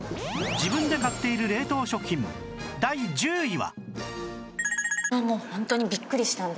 自分で買っている冷凍食品第１０位は